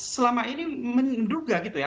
selama ini menduga gitu ya